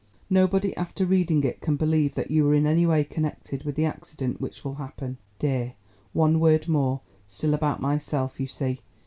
Nobody after reading it can believe that you were in any way connected with the accident which will happen. Dear, one word more—still about myself, you see!